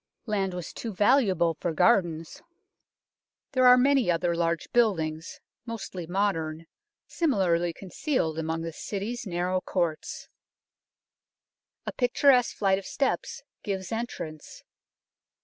Land was too valuable for gardens. There are many other large build ings, mostly modern, similarly concealed among the City's narrow courts. 88 UNKNOWN LONDON A picturesque flight of steps gives entrance.